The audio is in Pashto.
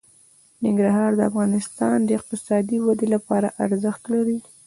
ننګرهار د افغانستان د اقتصادي ودې لپاره ارزښت لري.